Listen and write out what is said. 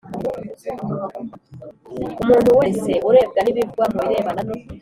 Umuntu wese urebwa n ibivugwa mu birebana no